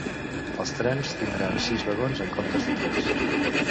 Els trens tindran sis vagons en comptes de tres.